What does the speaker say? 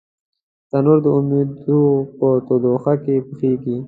تنور د امیدو په تودوخه کې پخېږي